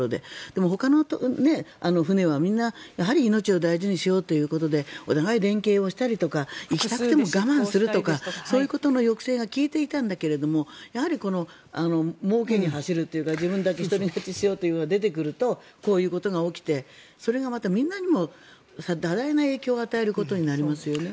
でもほかの船はみんな、やはり命を大事にしようということでお互い連携したりとか行きたくても我慢したりとかそういうことの抑制が利いていたんだけれどもやはりもうけに走るというか自分だけ一人勝ちしようというのが出てくるとこういうことが起きてそれがまたみんなにも多大な影響を与えることになりますよね。